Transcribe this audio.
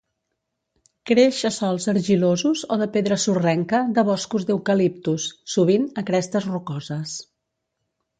Creix a sòls argilosos o de pedra sorrenca de boscos d'"Eucalyptus", sovint a crestes rocoses.